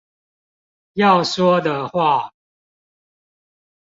要說的話